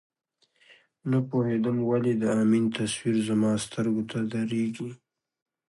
نه پوهېدم ولې د امین تصویر زما سترګو ته درېږي.